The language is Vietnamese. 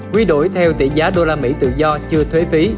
quy đổi theo tỷ giá đô la mỹ tự do chưa thuế phí